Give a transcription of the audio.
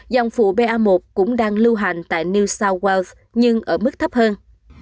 dòng phụ ba một cũng đang lưu hành tại new south wales nhưng ở mức thấp hơn